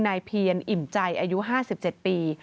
เพียรอิ่มใจอายุ๕๗ปี